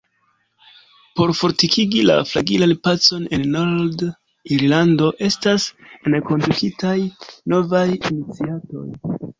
Por fortikigi la fragilan pacon en Nord-Irlando estas enkondukitaj novaj iniciatoj.